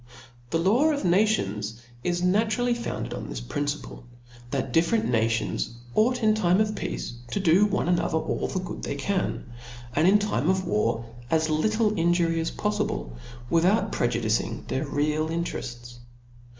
The law of nations is naturally founded on this principle, that different nations ought in time of peace to do one another all the good they can, and in time of war as little injury as polTible, without prejudicing their real interefts.